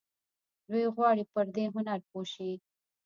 دوی غواړي پر دې هنر پوه شي.